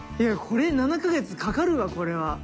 これ７カ月かかるわこれは。